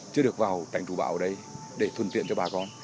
chưa được vào cảnh chú bão ở đây để thuần tiện cho bà con